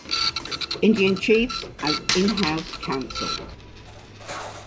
Indian Chiefs, as in-house counsel.